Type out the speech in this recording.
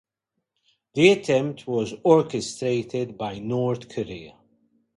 The attempt was orchestrated by North Korea.